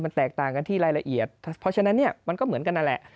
มันแตกต่างกันที่รายละเอียดเพราะฉะนั้นเนี่ยมันก็เหมือนกันนั่นแหละ